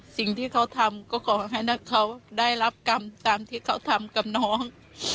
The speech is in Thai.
สิ่งที่เขาทำก็ขอให้เขาได้รับกรรมตามที่เขาทำกับน้อง